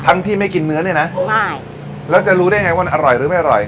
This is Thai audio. ที่ไม่กินเนื้อเนี่ยนะแล้วจะรู้ได้ไงว่ามันอร่อยหรือไม่อร่อย